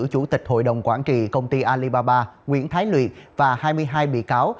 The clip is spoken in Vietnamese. chủ tịch hội đồng quản trị công ty alibaba nguyễn thái luyện và hai mươi hai bị cáo